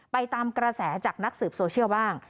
ไปตามกระแสจากนักสืบโซเชียลบ้าง